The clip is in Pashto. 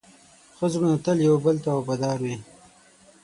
ښه زړونه تل یو بل ته وفادار وي.